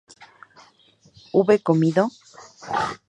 ¿hube comido?